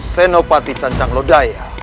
senopati sancang lodaya